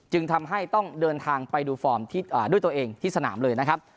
จึงทำให้ต้องเดินทางไปดูฟอร์มด้วยตัวเองที่สนามเลยนะครับ